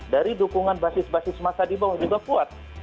dari dukungan basis basis masa di bawah juga kuat